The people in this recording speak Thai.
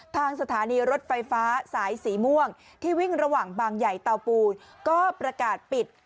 ทางสถานีรถไฟฟ้าสายสีม่วงที่วิ่งระหว่างบางใหญ่เตาปูนก็ประกาศปิด